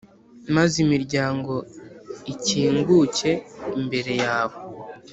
maze imiryango ikinguke imbere yawe.